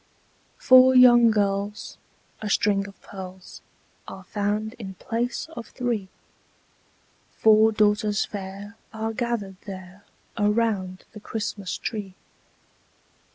Four lovely girls, a string of pearls, Are found in place of three: Four daughters fair are gathered there Around the Christmas tree.